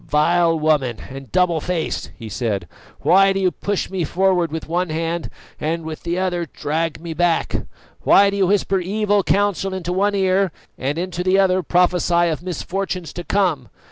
"Vile woman, and double faced!" he said, "why do you push me forward with one hand and with the other drag me back? Why do you whisper evil counsel into one ear and into the other prophesy of misfortunes to come?